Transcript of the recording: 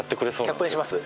キャップにします？